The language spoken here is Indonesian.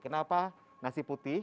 kenapa nasi putih